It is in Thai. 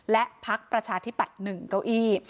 และพักประชาธิปัตย์๑เก้าอี้